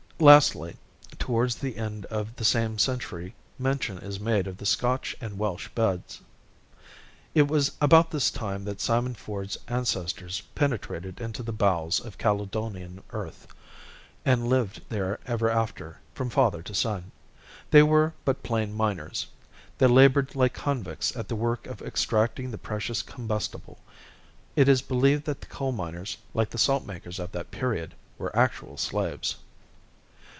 Lastly, towards the end of the same century, mention is made of the Scotch and Welsh beds. It was about this time that Simon Ford's ancestors penetrated into the bowels of Caledonian earth, and lived there ever after, from father to son. They were but plain miners. They labored like convicts at the work of extracting the precious combustible. It is even believed that the coal miners, like the salt makers of that period, were actual slaves.